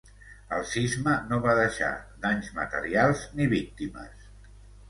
El sisme no va deixar danys materials ni víctimes.